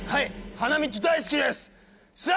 花道大好きです